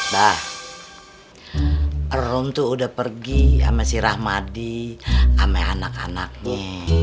nah rom tuh udah pergi sama si rahmadi sama anak anaknya